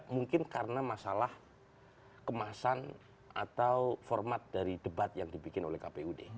mungkin karena masalah kemasan atau format dari debat yang dibikin oleh kpud